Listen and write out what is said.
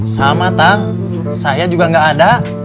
sama kang saya juga nggak ada